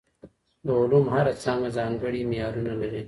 د علومو هره څانګه ځانګړي معیارونه لري.